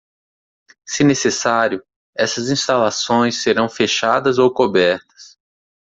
Se necessário, essas instalações serão fechadas ou cobertas.